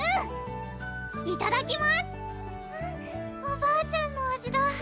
おばあちゃんの味だ